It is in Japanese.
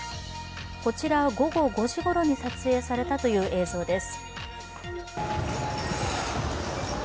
こちら、午後５時ごろに撮影されたという映像です。